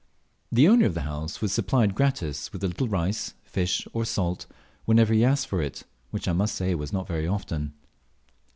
The owner of the house was supplied gratis with a little rice, fish, or salt, whenever he asked for it, which I must say was not very often.